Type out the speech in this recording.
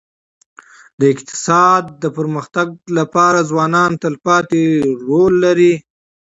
د اقتصاد د پرمختګ لپاره ځوانان تلپاتي رول لري.